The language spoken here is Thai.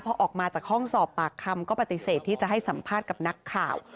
พอออกมาจากห้องสอบปากคำก็ปฏิเสธที่จะให้สัมภาษณ์กับนักข่าว